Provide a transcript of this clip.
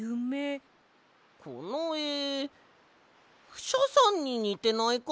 このえクシャさんににてないか？